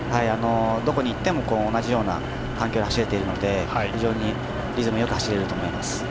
どこに行っても同じような環境で走れているので非常にリズムよく走れると思います。